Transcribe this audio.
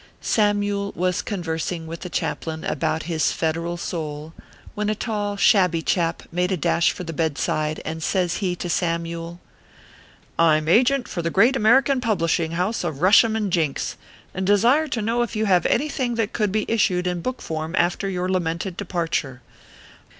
Samyule was conversing with the chaplain about his Federal soul, when a tall, shabby chap made a dash for the bedside, and says he to Samyule : "Fm agent for the great American publishing house of Kushem & Jinks, and desire to know if you have anything that could be issued in book form after your lamented departure.